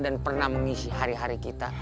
dan pernah mengisi hari hari kita